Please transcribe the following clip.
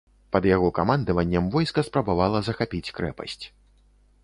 Пад яго камандаваннем войска спрабавала захапіць крэпасць.